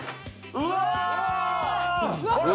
うわ！